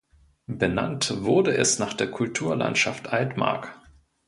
Benannt wurde es nach der Kulturlandschaft Altmark.